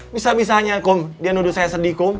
bisa bisanya kum dia nuduh saya sedih kum